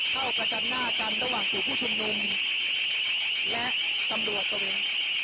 เข้ากระจัดหน้ากันระหว่างสู่ผู้ชุมนุมและสำหรับตัวเอง